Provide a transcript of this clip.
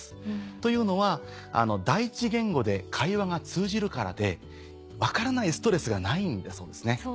というのは第一言語で会話が通じるからで分からないストレスがないんだそうですね。